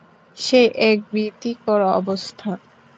সে এক ভীতিকর অবস্থা।